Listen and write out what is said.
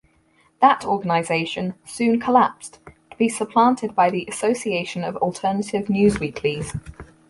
That organization soon collapsed, to be supplanted by the Association of Alternative Newsweeklies.